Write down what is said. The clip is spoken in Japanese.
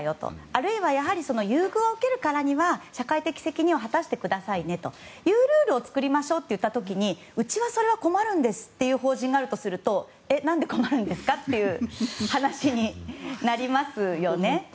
あるいは優遇を受けるからには社会的責任を果たしてくださいねというルールを作りましょうといった時にうちは、それは困るんですよという法人があるとすると何で困るんですかという話になりますよね。